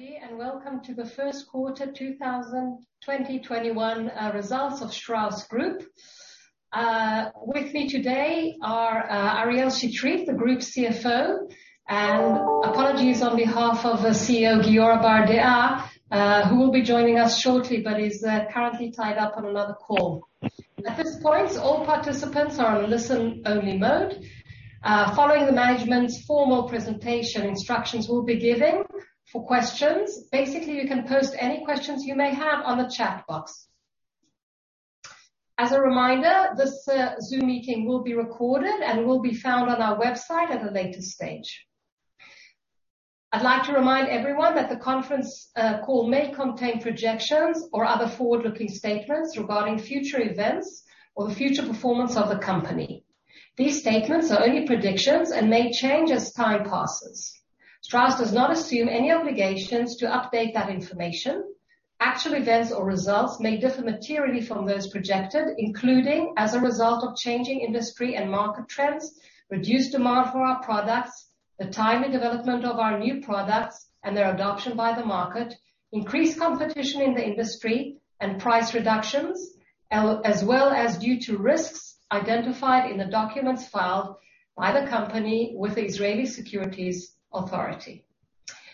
Hello, everybody, and welcome to the first quarter 2020/21 results of Strauss Group. With me today are Ariel Chetrit, the Group CFO, and apologies on behalf of the CEO, Giora Bardea, who will be joining us shortly, but he's currently tied up on another call. At this point, all participants are in listen-only mode. Following the management's formal presentation, instructions will be given for questions. Basically, you can post any questions you may have on the chat box. As a reminder, this Zoom meeting will be recorded and will be found on our website at a later stage. I'd like to remind everyone that the conference call may contain projections or other forward-looking statements regarding future events or the future performance of the company. These statements are only predictions and may change as time passes. Strauss does not assume any obligations to update that information. Actual events or results may differ materially from those projected, including as a result of changing industry and market trends, reduced demand for our products, the timing and development of our new products, and their adoption by the market, increased competition in the industry and price reductions, as well as due to risks identified in the documents filed by the company with the Israel Securities Authority.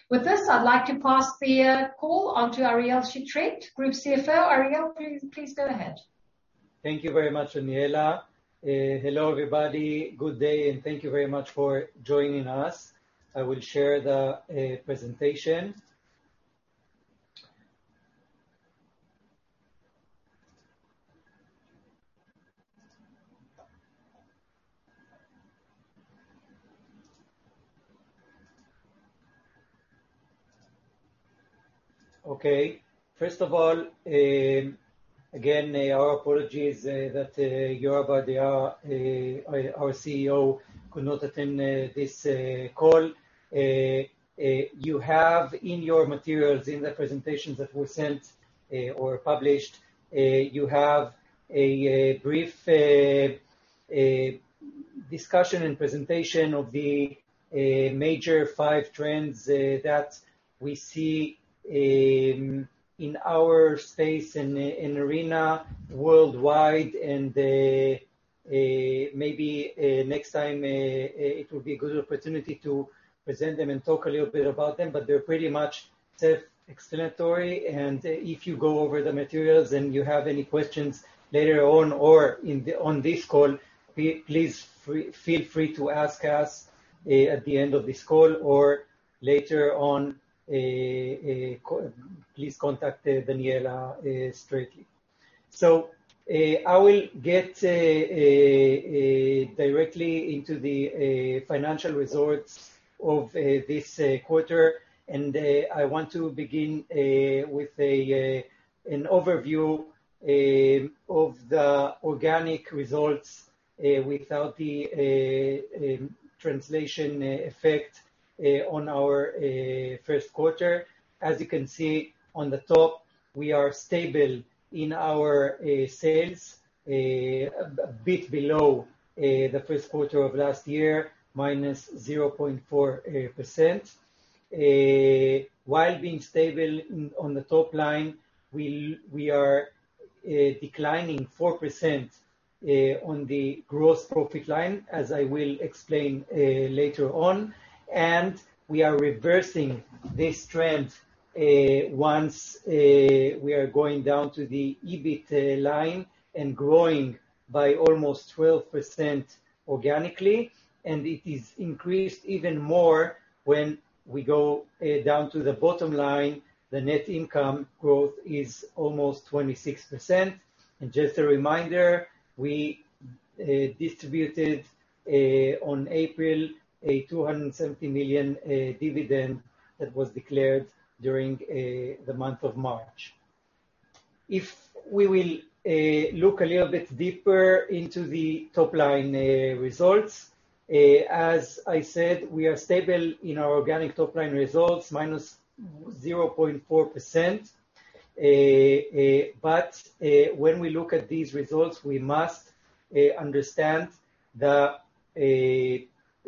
With this, I'd like to pass the call on to Ariel Chetrit, Group CFO. Ariel, please go ahead. Thank you very much, Daniella. Hello, everybody. Good day, and thank you very much for joining us. I will share the presentation. Okay. First of all, again, our apologies that Giora Bardea, our CEO, could not attend this call. You have in your materials, in the presentations that were sent or published, you have a brief discussion and presentation of the major five trends that we see in our space and arena worldwide. Maybe next time it will be a good opportunity to present them and talk a little bit about them, but they're pretty much self-explanatory. If you go over the materials and you have any questions later on or on this call, please feel free to ask us at the end of this call or later on. Please contact Daniella straightly. I will get directly into the financial results of this quarter. I want to begin with an overview of the organic results without the translation effect on our first quarter. As you can see on the top, we are stable in our sales, a bit below the first quarter of last year, -0.4%. While being stable on the top line, we are declining 4% on the gross profit line, as I will explain later on. We are reversing this trend once we are going down to the EBIT line and growing by almost 12% organically. It is increased even more when we go down to the bottom line. The net income growth is almost 26%. Just a reminder, we distributed on April a 270 million dividend that was declared during the month of March. If we will look a little bit deeper into the top-line results. As I said, we are stable in our organic top-line results, -0.4%. When we look at these results, we must understand the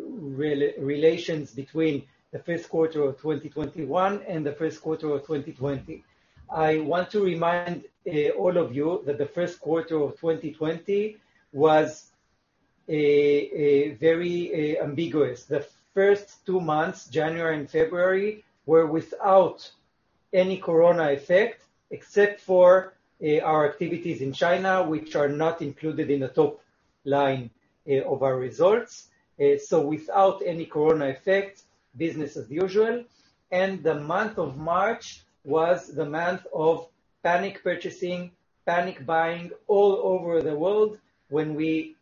relations between the first quarter of 2021 and the first quarter of 2020. I want to remind all of you that the first quarter of 2020 was very ambiguous. The first two months, January and February, were without any corona effect, except for our activities in China, which are not included in the top line of our results. Without any corona effect, business as usual. The month of March was the month of panic purchasing, panic buying all over the world. When we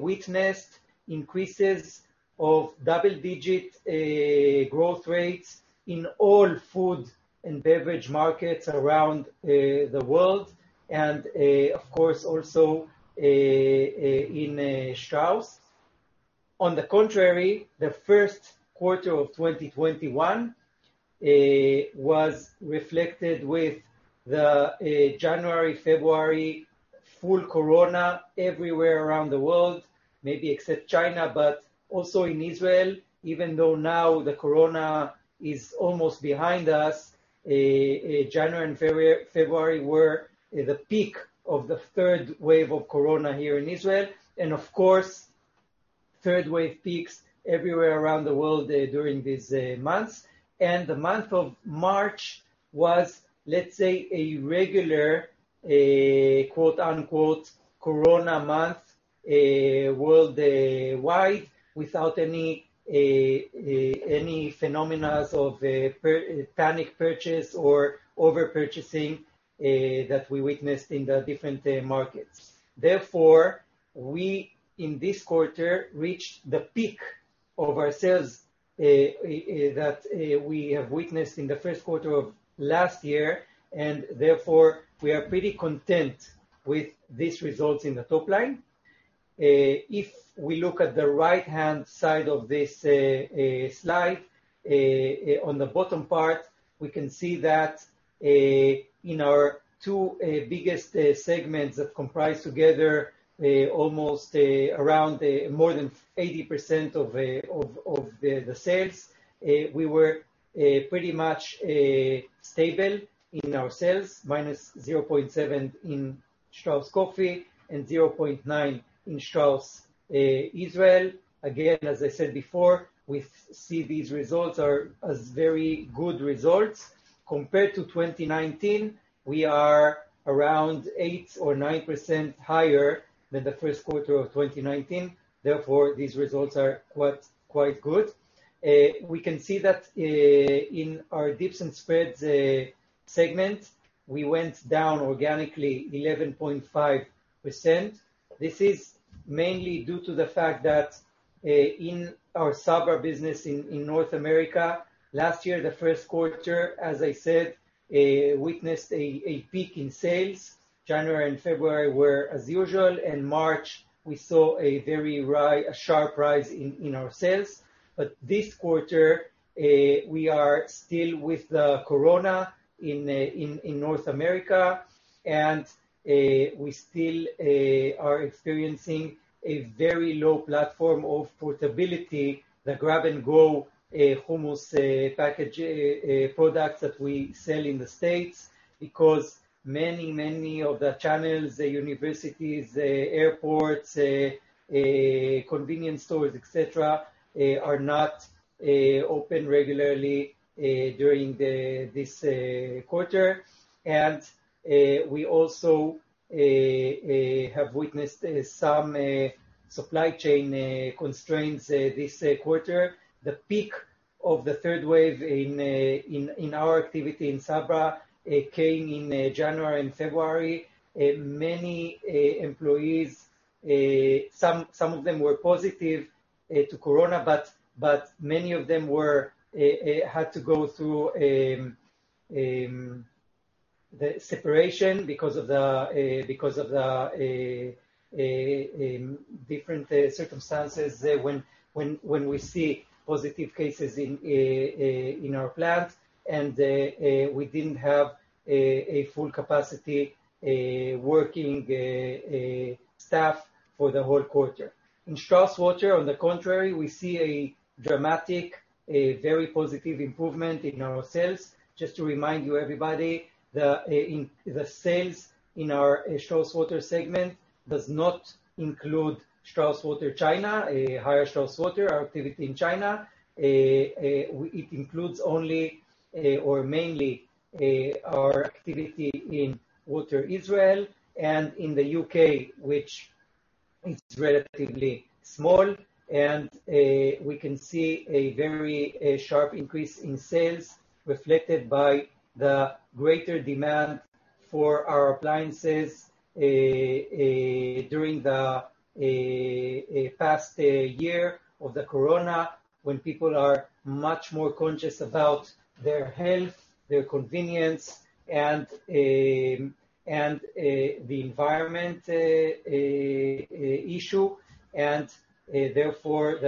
witnessed increases of double-digit growth rates in all food and beverage markets around the world, of course, also in Strauss. On the contrary, the first quarter of 2021 was reflected with the January, February full corona everywhere around the world, maybe except China, but also in Israel, even though now the corona is almost behind us. January and February were the peak of the third wave of corona here in Israel, and of course, third wave peaks everywhere around the world during these months. The month of March was, let's say, a regular, quote-unquote, corona month worldwide without any phenomena of panic purchase or over-purchasing that we witnessed in the different markets. Therefore, we, in this quarter, reached the peak of our sales that we have witnessed in the first quarter of last year, and therefore, we are pretty content with these results in the top line. If we look at the right-hand side of this slide, on the bottom part, we can see that in our two biggest segments that comprise together almost around more than 80% of the sales, we were pretty much stable in our sales, -0.7% in Strauss Coffee and 0.9% in Strauss Israel. Again, as I said before, we see these results as very good results. Compared to 2019, we are around 8% or 9% higher than the first quarter of 2019. Therefore, these results are quite good. We can see that in our Dips & Spreads segment, we went down organically 11.5%. This is mainly due to the fact that in our Sabra business in North America, last year, the first quarter, as I said, witnessed a peak in sales. January and February were as usual. In March, we saw a very sharp rise in our sales. This quarter, we are still with the Corona in North America, and we still are experiencing a very low platform of portability, the grab-and-go hummus package products that we sell in the States, because many of the channels, the universities, airports, convenience stores, etc., are not open regularly during this quarter. We also have witnessed some supply chain constraints this quarter. The peak of the third wave in our activity in Sabra came in January and February. Many employees, some of them were positive to Corona, but many of them had to go through separation because of the different circumstances when we see positive cases in our plant, and we didn't have a full capacity working staff for the whole quarter. In Strauss Water, on the contrary, we see a dramatic, very positive improvement in our sales. Just to remind you, everybody, the sales in our Strauss Water segment does not include Strauss Water China, Haier Strauss Water, our activity in China. It includes only or mainly our activity in Water Israel and in the U.K., which is relatively small. We can see a very sharp increase in sales reflected by the greater demand for our appliances during the past year of the Corona, when people are much more conscious about their health, their convenience, and the environment issue. Therefore,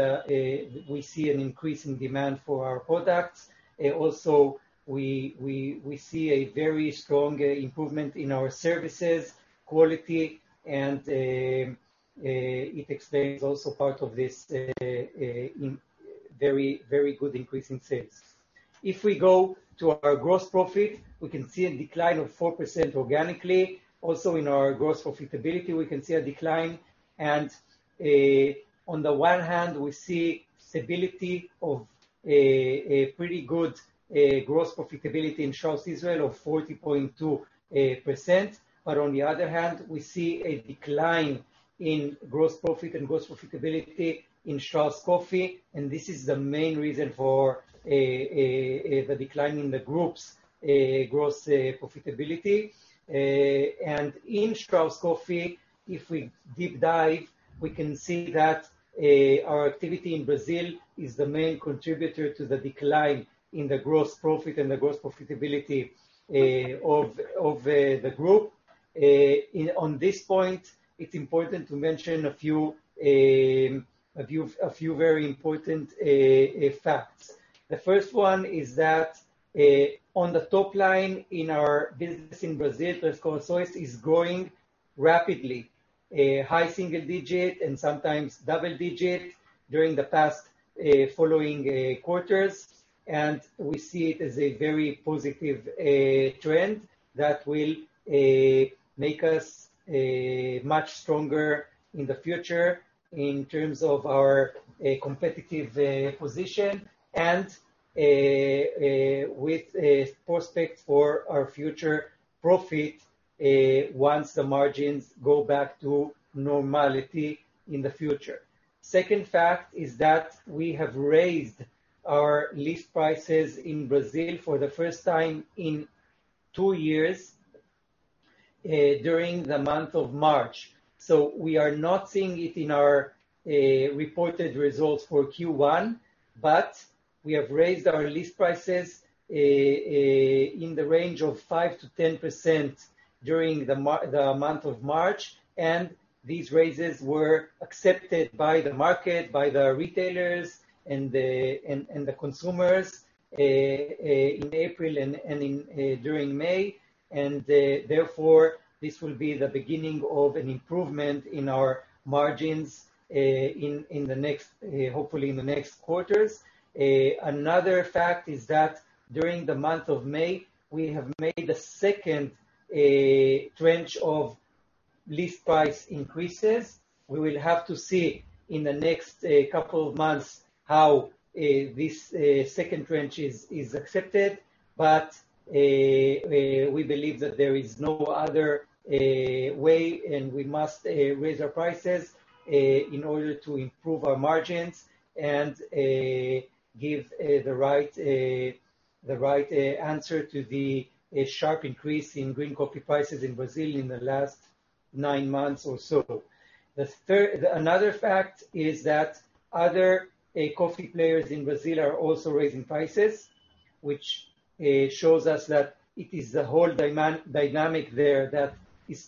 we see an increase in demand for our products. Also, we see a very strong improvement in our services quality, and it explains also part of this very good increase in sales. If we go to our gross profit, we can see a decline of 4% organically. Also, in our gross profitability, we can see a decline. On the one hand, we see stability of a pretty good gross profitability in Strauss Israel of 40.2%, but on the other hand, we see a decline in gross profit and gross profitability in Strauss Coffee, and this is the main reason for the decline in the group's gross profitability. In Strauss Coffee, if we deep dive, we can see that our activity in Brazil is the main contributor to the decline in the gross profit and the gross profitability of the group. On this point, it's important to mention a few very important facts. The first one is that on the top line in our business in Brazil, Três Corações is growing rapidly, high single digit and sometimes double digit during the past following quarters. We see it as a very positive trend that will make us much stronger in the future in terms of our competitive position and with prospects for our future profit once the margins go back to normality in the future. Second fact is that we have raised our list prices in Brazil for the first time in two years during the month of March. We are not seeing it in our reported results for Q1, but we have raised our list prices in the range of 5%-10% during the month of March, and these raises were accepted by the market, by the retailers, and the consumers in April and during May. Therefore, this will be the beginning of an improvement in our margins hopefully in the next quarters. Another fact is that during the month of May, we have made a second tranche of list price increases. We will have to see in the next couple of months how this second tranche is accepted, but we believe that there is no other way, and we must raise our prices in order to improve our margins and give the right answer to the sharp increase in green coffee prices in Brazil in the last nine months or so. Another fact is that other coffee players in Brazil are also raising prices, which shows us that it is the whole dynamic there that is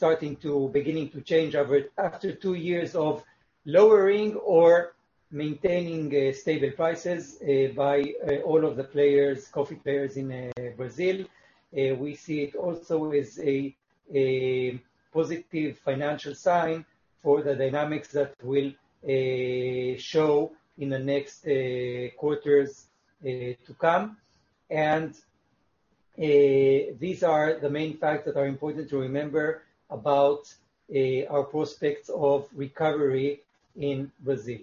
beginning to change after two years of lowering or maintaining stable prices by all of the coffee players in Brazil. We see it also as a positive financial sign for the dynamics that will show in the next quarters to come. These are the main facts that are important to remember about our prospects of recovery in Brazil.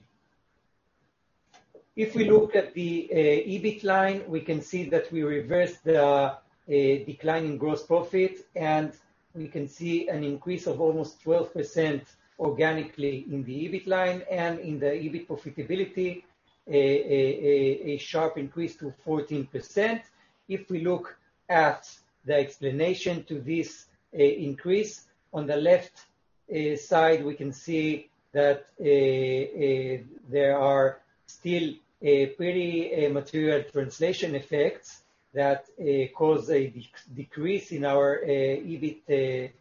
If we look at the EBIT line, we can see that we reversed the decline in gross profit, and we can see an increase of almost 12% organically in the EBIT line and in the EBIT profitability, a sharp increase to 14%. If we look at the explanation to this increase, on the left side, we can see that there are still pretty material translation effects that cause a decrease in our EBIT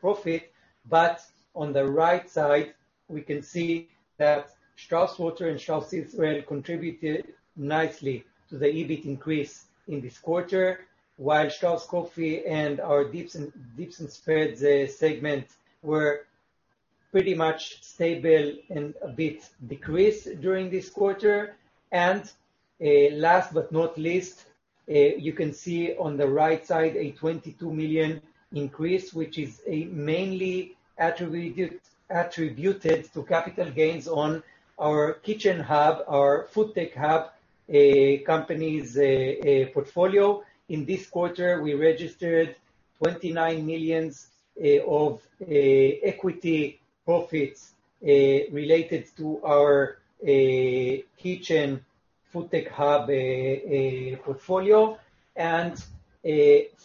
profit. On the right side, we can see that Strauss Water and Strauss Israel contributed nicely to the EBIT increase in this quarter, while Strauss Coffee and our Dips & Spreads segments were pretty much stable and a bit decreased during this quarter. Last but not least, you can see on the right side a 22 million increase, which is mainly attributed to capital gains on our Kitchen Hub, our FoodTech Hub company’s portfolio. In this quarter, we registered 29 million of equity profits related to our Kitchen FoodTech Hub portfolio.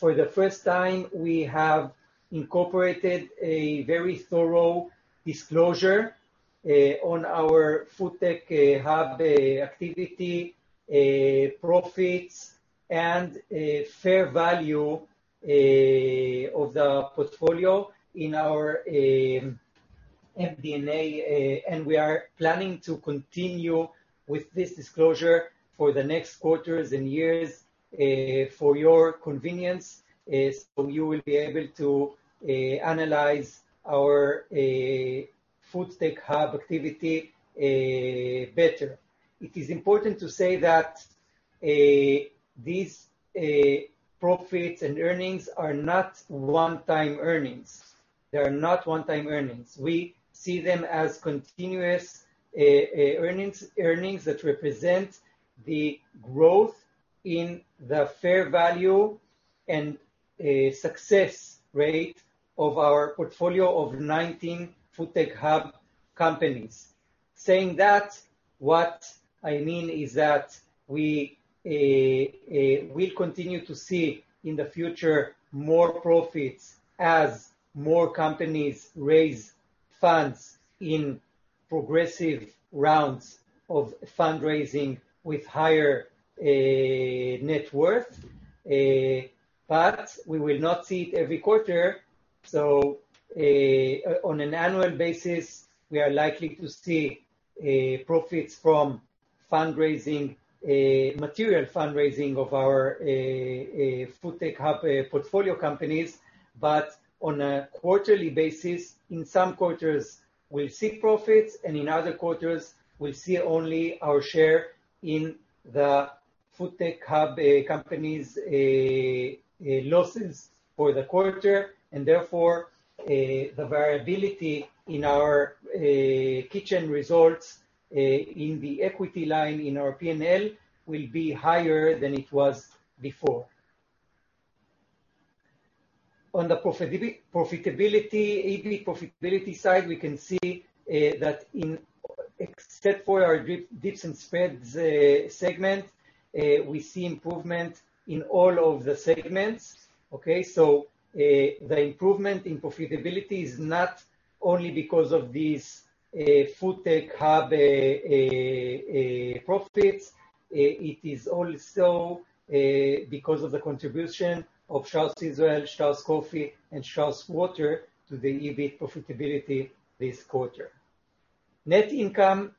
For the first time, we have incorporated a very thorough disclosure on our FoodTech Hub activity, profits, and fair value of the portfolio in our MD&A. We are planning to continue with this disclosure for the next quarters and years for your convenience, so you will be able to analyze our FoodTech Hub activity better. It is important to say that these profits and earnings are not one-time earnings. We see them as continuous earnings that represent the growth in the fair value and success rate of our portfolio of 19 FoodTech Hub companies. Saying that, what I mean is that we continue to see in the future more profits as more companies raise funds in progressive rounds of fundraising with higher net worth. We will not see it every quarter. On an annual basis, we are likely to see profits from material fundraising of our FoodTech Hub portfolio companies. On a quarterly basis, in some quarters we'll see profits, and in other quarters, we'll see only our share in the FoodTech Hub companies' losses for the quarter. Therefore, the variability in our Kitchen results in the equity line in our P&L will be higher than it was before. On the EBIT profitability side, we can see that except for our Dips & Spreads segment, we see improvement in all of the segments. Okay? The improvement in profitability is not only because of these FoodTech Hub profits, it is also because of the contribution of Strauss Israel, Strauss Coffee and Strauss Water to the EBIT profitability this quarter. Net income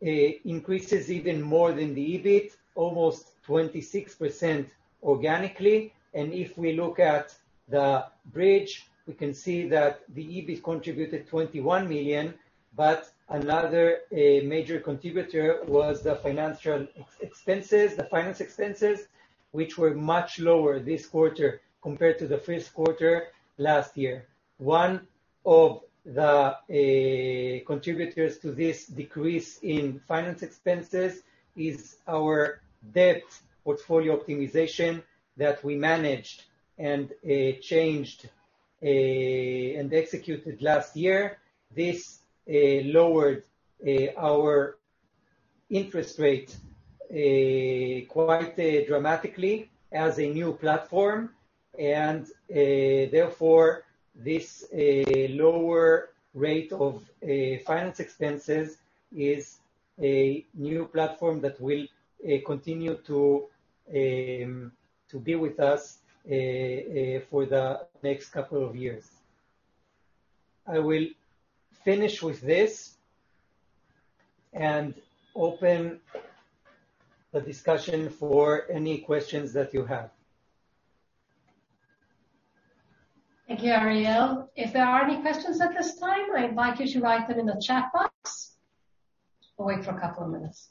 increases even more than the EBIT, almost 26% organically. If we look at the bridge, we can see that the EBIT contributed 21 million, but another major contributor was the financial expenses, the finance expenses, which were much lower this quarter compared to the first quarter last year. One of the contributors to this decrease in finance expenses is our debt portfolio optimization that we managed and changed and executed last year. This lowered our interest rate quite dramatically as a new platform, and therefore, this lower rate of finance expenses is a new platform that will continue to be with us for the next couple of years. I will finish with this and open the discussion for any questions that you have. Thank you, Ariel. If there are any questions at this time, I invite you to write them in the chat box. We'll wait for a couple of minutes.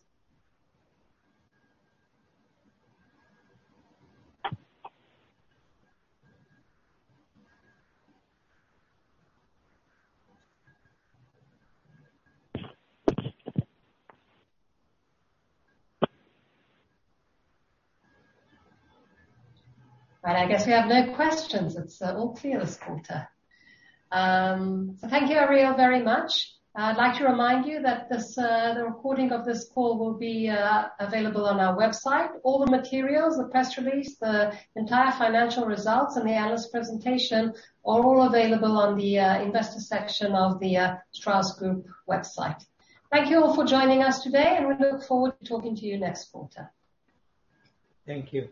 I guess we have no questions. It's all clear this quarter. Thank you, Ariel, very much. I'd like to remind you that the recording of this call will be available on our website. All the materials, the press release, the entire financial results, and the analyst presentation are all available on the investor section of the Strauss Group website. Thank you all for joining us today, and we look forward to talking to you next quarter. Thank you.